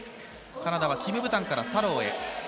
カナダはキム・ブタンからサローへ。